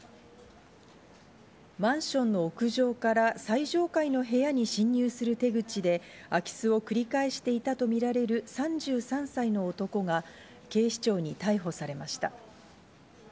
マンションの屋上から最上階の部屋に侵入する手口で、空き巣を繰り返していたとみられる３３歳の男が警視庁に逮捕されました。